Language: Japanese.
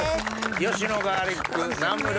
吉野ガーリックナムル